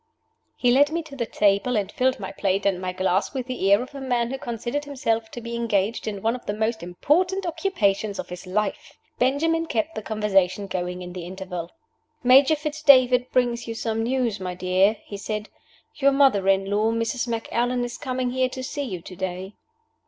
He led me to the table, and filled my plate and my glass with the air of a man who considered himself to be engaged in one of the most important occupations of his life. Benjamin kept the conversation going in the interval. "Major Fitz David brings you some news, my dear," he said. "Your mother in law, Mrs. Macallan, is coming here to see you to day."